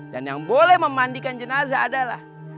dan yang boleh memandikan jenazah adalah